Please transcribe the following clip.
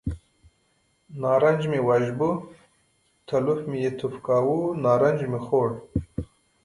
نارنج مې وژبه، تلوف مې یې توف کاوه، نارنج مې خوړ.